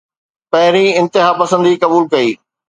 پهرين انتهاپسندي قبول ڪئي.